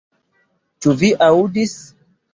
Ĉu vi aŭdis